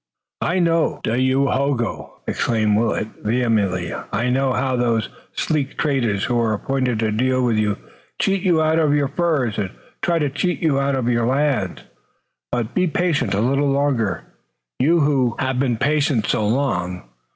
"I know, Dayohogo!" exclaimed Willet, vehemently. "I know how those sleek traders who are appointed to deal with you cheat you out of your furs and try to cheat you out of your lands! But be patient a little longer, you who have been patient so long.